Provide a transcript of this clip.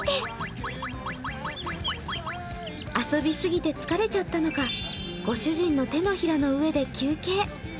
遊びすぎて疲れちゃったのか、ご主人の手のひらの上で休憩。